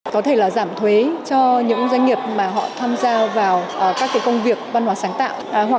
có thể là giảm thuế cho những doanh nghiệp mà họ tham gia vào các công việc văn hóa sáng tạo hoặc